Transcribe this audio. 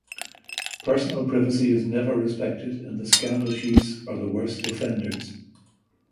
Personal privacy is never respected and the scandal sheets are the worst offenders.